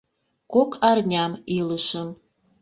Кок арням илышым.